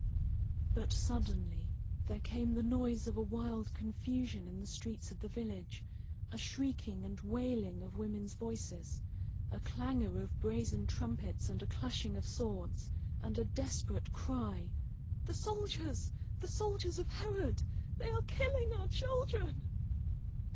But suddenly there came the noise of a wild confusion in the streets of the village, a shrieking and wailing of women's voices, a clangour of brazen trumpets and a clashing of swords, and a desperate cry: "The soldiers! the soldiers of Herod! They are killing our children."